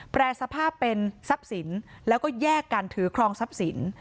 แปรสภาพเป็นทรัพย์สินแล้วก็แยกกันถือครองทรัพย์สิน